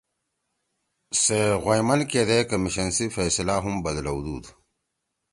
سےغوئیمن کیدے کمیشن سی فیصلہ ہُم بَدلؤدُود